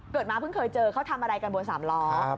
มาเพิ่งเคยเจอเขาทำอะไรกันบนสามล้อ